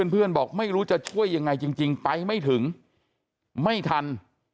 บอกไม่รู้จะช่วยยังไงจริงไปไม่ถึงไม่ทัน